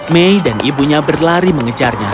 mei dan ibunya berlari mengejarnya